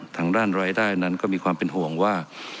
ทางด้านรายได้นั้นก็มีความเป็นห่วงว่า